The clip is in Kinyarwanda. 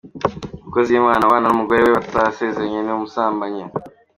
Umukozi w’Imana ubana n’umugore we batarasezeranye ni abasambanyi’.